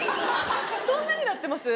そんなになってます？